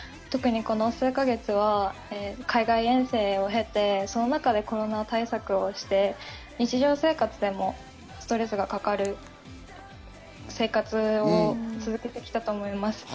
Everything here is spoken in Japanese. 特にこの数か月は海外遠征を経て、その中でコロナ対策をして日常生活でもストレスがかかる生活を続けてきたと思います。